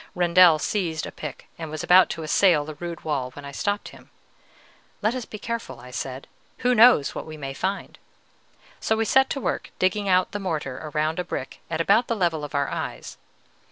Rendel seized a pick, and was about to assail the rude wall, when I stopped him. "Let us be careful," I said; "who knows what we may find?" So we set to work digging out the mortar around a brick at about the level of our eyes.